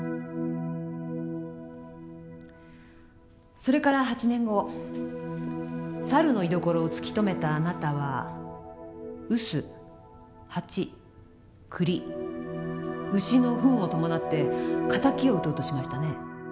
それから８年後猿の居所を突き止めたあなたは臼蜂栗牛のフンを伴って敵を討とうとしましたね？